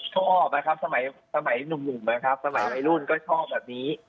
ชอบนะครับสมัยหนุ่มนะครับสมัยวัยรุ่นก็ชอบแบบนี้